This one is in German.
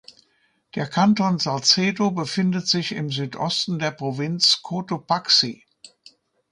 Der Kanton Salcedo befindet sich im Südosten der Provinz Cotopaxi.